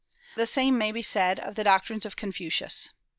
The same may be said of the doctrines of Confucius.